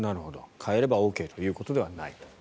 変えればＯＫということではない。